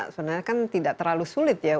sebenarnya kan tidak terlalu sulit ya